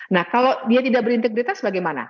nah kalau dia tidak berintegritas bagaimana